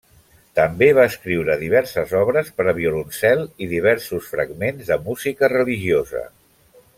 També va escriure diverses obres per a violoncel i diversos fragments de música religiosa.